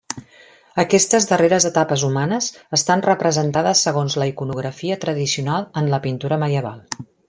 Aquestes darreres etapes humanes estan representades segons la iconografia tradicional en la pintura medieval.